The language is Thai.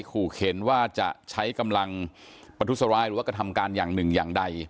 ขู่เข็นว่าจะใช้กำลังประทุษร้ายหรือว่ากระทำการอย่างหนึ่งอย่างใด